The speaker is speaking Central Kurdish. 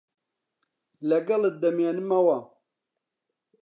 لەگەڵت دەمێنمەوە.